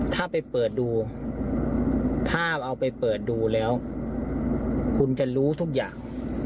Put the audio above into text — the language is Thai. ถ้าเอาไปเปิดดูแล้วคุณจะรู้ทุกอย่าง